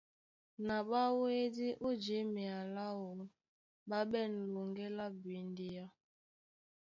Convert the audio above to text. Ná ɓá wédí ó jěmea láō, ɓá ɓɛ̂n loŋgɛ́ lá bwindea.